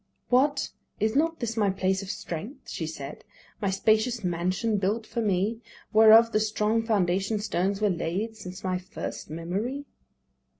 "What! is not this my place of strength," she said, "My spacious mansion built for me, Whereof the strong foundation stones were laid Since my first memory."